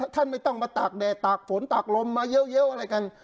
ท่านไม่ต้องมาตากแดดตากฝนตากลมมาเยอะอะไรกัน